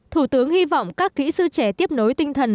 thủ tướng hy vọng các kỹ sư trẻ tiếp nối tinh thần